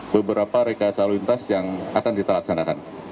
beberapa rekayasa lalu lintas yang akan diteraksanakan